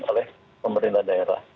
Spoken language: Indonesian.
oleh pemerintah daerah